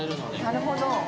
なるほど。